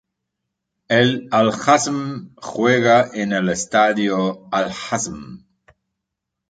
El Al-Hazm juega en el Estadio Al Hazm.